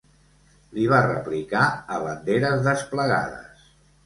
Li va replicar a banderes desplegades.